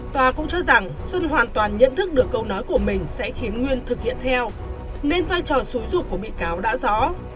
tòa cũng cho rằng xuân hoàn toàn nhận thức được câu nói của mình sẽ khiến nguyên thực hiện theo nên vai trò xúi dục của bị cáo đã rõ